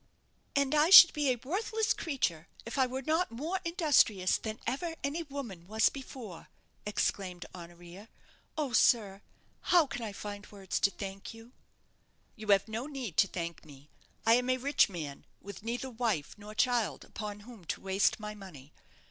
"And I should be a worthless creature if I were not more industrious than ever any woman was before!" exclaimed Honoria. "Oh, sir, how can I find words to thank you?" "You have no need to thank me. I am a rich man, with neither wife nor child upon whom to waste my money.